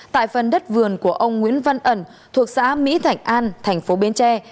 tại phần đất vườn của ông nguyễn văn ẩn thuộc xã mỹ thạnh an thành phố bến tre